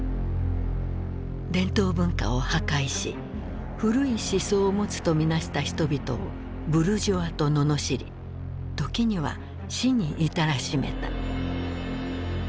伝統文化を破壊し古い思想を持つとみなした人々をブルジョアと罵り時には死に至らしめた。